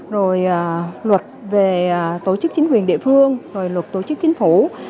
rồi luật về tổ chức chính quyền địa phương rồi luật tổ chức chính phủ